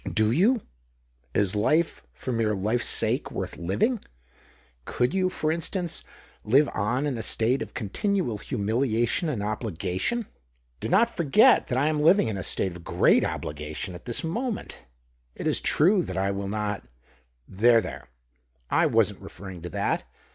" Do you ? Is life, for mere life's sake, worth living ? Could you, for instance, live on in a state of continual humiliation and obligation ?"" Do not forget that I am living in a state of great obligation at this moment. It is true that I will not " "There, there — I wasn't referring to that.